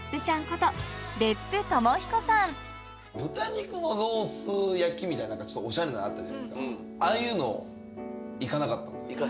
こと豚肉もロース焼きみたいなおしゃれなあったじゃないですかああいうの行かなかったんですよ。